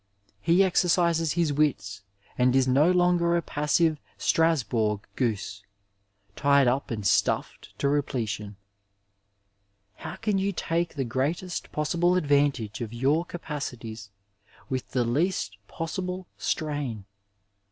He exercises his wits and is no longer a pas sive Strasbourg goose, tied up and stuffed to repletion. How can you take the greatest possible advantage of your capacities with the least possible strain